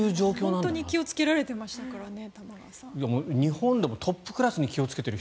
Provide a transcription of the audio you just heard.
本当に気をつけられてましたからね。